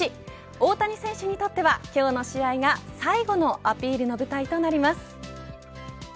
大谷選手にとっては今日の試合が最後のアピールの舞台となります。